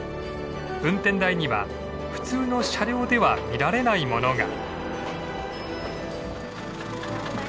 運転台には普通の車両では見られないものが。